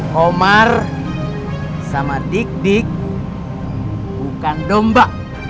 komar sama ditik bukan domba